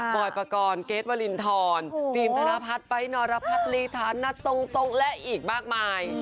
ปล่อยปากรเกษตร์วรินทรฟิล์มธนพัฒน์ไปนรพฤษธนตรงและอีกมากมาย